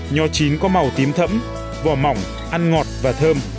nho chín có màu tím thẫm vỏ mỏng ăn ngọt và thơm